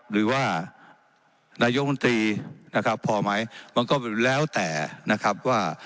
หรือว่านายกมนตรีนะครับพอไหมมันก็แล้วแต่นะครับว่า